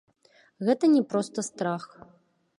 Гэта не проста страх.